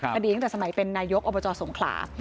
คดีตั้งแต่สมัยเป็นนายกอบจสงขลา